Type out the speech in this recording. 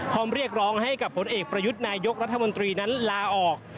พร้อมเรียกร้องให้กับผลเอกประยุทธ์นายกรัฐมนตรีนั้นลาออก